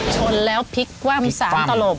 ชนแล้วพลิกคว่ำ๓ตลบ